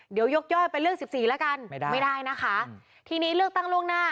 เดี๋ยวยกย่อยไปเลือก๑๔ละกันไม่ได้นะคะทีนี้เลือกตั้งล่วงหน้า